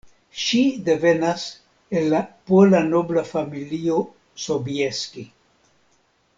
Ŝi devenas el la pola nobla familio Sobieski.